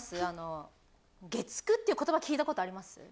あの「月９」っていう言葉聞いた事あります？